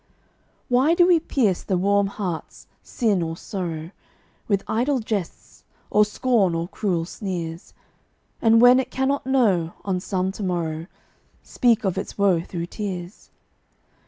Why do we pierce the warm hearts, sin or sorrow, With idle jests, or scorn, or cruel sneers, And when it cannot know, on some to morrow, Speak of its woe through tears?